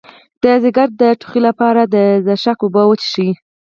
د ځیګر د تودوخې لپاره د زرشک اوبه وڅښئ